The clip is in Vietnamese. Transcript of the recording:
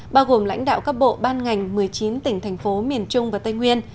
bao gồm lãnh đạo các bộ ban ngành một mươi chín tỉnh thành phố miền trung và tây nguyên